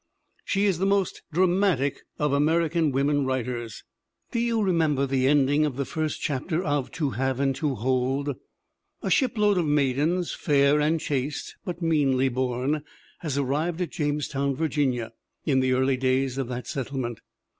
She is the most dramatic of American women writ ers. Do you remember the ending of the first chap ter of To Have and To Hold? A shipload of maidens, "fair and chaste, but meanly born," has arrived at Jamestown, Virginia, in the early days of that set tlement.